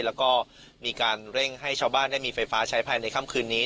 แล้วก็มีการเร่งให้ชาวบ้านได้มีไฟฟ้าใช้ภายในค่ำคืนนี้